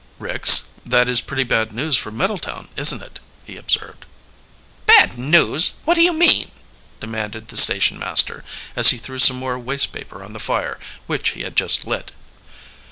"Ricks, that is pretty bad news from Middletown, isn't it?" he observed. "Bad news? What do you mean?" demanded the station master, as he threw some more waste paper on the fire, which he had just lit.